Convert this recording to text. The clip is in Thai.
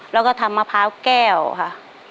แล้วก็ทำมะพร้าวแก้วค่ะ